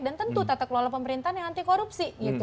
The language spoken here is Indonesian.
tentu tata kelola pemerintahan yang anti korupsi